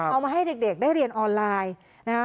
เอามาให้เด็กได้เรียนออนไลน์นะคะ